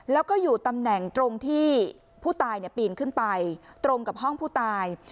แล้วก็อยู่ตำแหน่งตรงที่ผู้ตายปีนขึ้นไปตรงกับห้องผู้ตาย